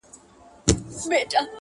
o لاري لاري دي ختليقاسم یاره تر اسمانه,